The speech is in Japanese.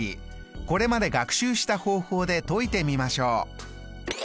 これまで学習した方法で解いてみましょう。